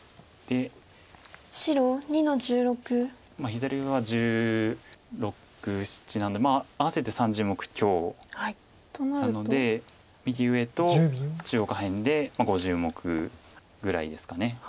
左上は１６１７なので合わせて３０目強なので右上と中央下辺で５０目ぐらいですか。